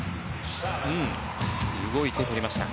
動いてとりました。